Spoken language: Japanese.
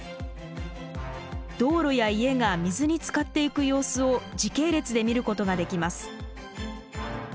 道路や家が水につかっていく様子を時系列で見ることができます。